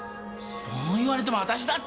そう言われても私だってねぇ。